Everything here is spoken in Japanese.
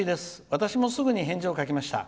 私もすぐに返事を書きました。